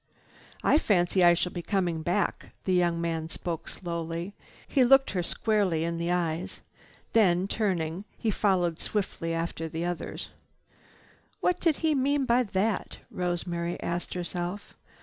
"I fancy I shall be coming back." The young man spoke slowly. He looked her squarely in the eyes. Then turning, he followed swiftly after the others. "What did he mean by that?" Rosemary asked herself.